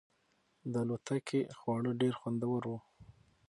د الوتکې خواړه ډېر خوندور وو.